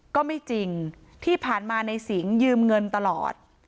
ก็ไม่จริงที่ผ่านมาในสิงยืมเงินตลอด